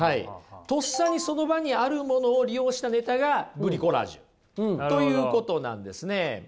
とっさにその場にあるものを利用したネタがブリコラージュということなんですね。